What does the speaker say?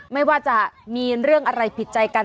ไม่ว่าจะมีเรื่องอะไรผิดใจกัน